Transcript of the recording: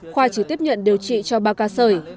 khoa chỉ tiếp nhận điều trị cho ba ca sởi